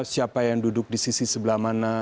siapa yang duduk di sisi sebelah mana